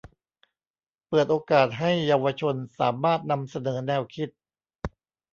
เปิดโอกาสให้เยาวชนสามารถนำเสนอแนวคิด